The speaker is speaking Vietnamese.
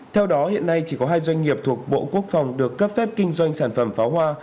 theo đó hiện nay chỉ có hai doanh nghiệp thuộc bộ quốc phòng được cấp phép kinh doanh sản phẩm pháo hoa